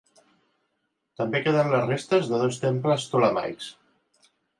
També queden les restes de dos temples ptolemaics.